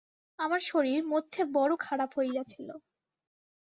আমার শরীর মধ্যে বড় খারাপ হইয়াছিল।